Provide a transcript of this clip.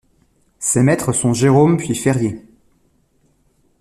Ses maîtres sont Gérôme puis Ferrier.